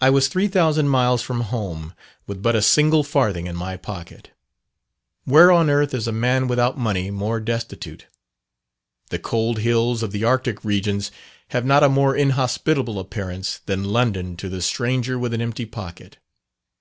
I was three thousand miles from home, with but a single farthing in my pocket! Where on earth is a man without money more destitute? The cold hills of the Arctic regions have not a more inhospitable appearance than London to the stranger with an empty pocket.